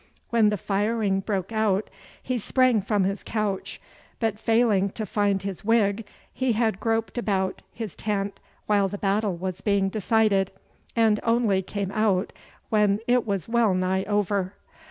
When the firing broke out he sprang from his couch, but failing to find his wig, he had groped about his tent while the battle was being decided, and only came out when it was well nigh over.